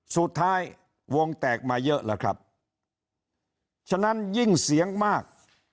สุดท้ายวงแตกมาเยอะแล้วครับฉะนั้นยิ่งเสียงมาก